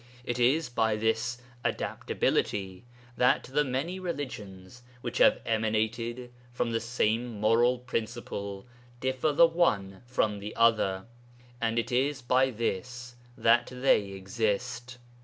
It is by this adaptability that the many religions which have emanated from the same moral principle differ the one from the other, and it is by this that they exist.